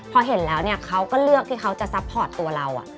พอเห็นแล้วเนี่ยเขาก็เลือกที่เขาจะซัพพอร์ตตัวเรา